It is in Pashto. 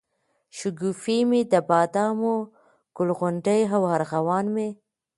شګوفې مي دبادامو، ګل غونډۍ او ارغوان مي